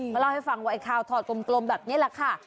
ก็เล่าให้ฟังว่าไอ้ข่าวถอดกลมแบบนี้แหละค่ะ